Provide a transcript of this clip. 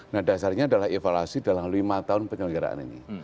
nah dasarnya adalah evaluasi dalam lima tahun penyelenggaraan ini